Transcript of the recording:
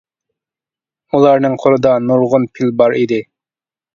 ئۇلارنىڭ قولىدا نۇرغۇن پىل بار ئىدى.